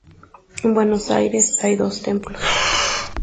En Buenos Aires hay dos templos.